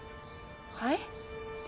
はい？